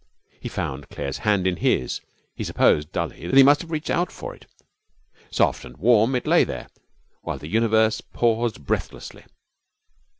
He found Claire's hand in his. He supposed dully he must have reached out for it. Soft and warm it lay there, while the universe paused breathlessly.